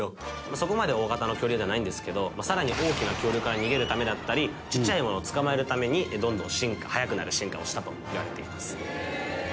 そこまで大型の恐竜ではないんですけどさらに大きな恐竜から逃げるためだったりちっちゃいものを捕まえるためにどんどん進化速くなる進化をしたといわれています。